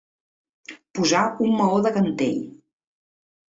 Posar un maó de cantell.